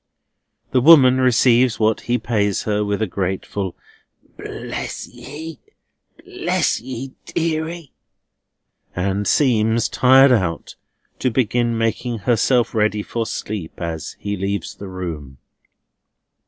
The woman receives what he pays her with a grateful, "Bless ye, bless ye, deary!" and seems, tired out, to begin making herself ready for sleep as he leaves the room.